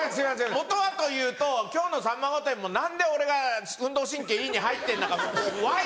もとはというと今日の『さんま御殿‼』も何で俺が「運動神経いい」に入ってるのかホワイ？